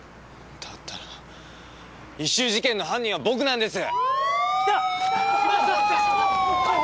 だったら異臭事件の犯人は僕なんです！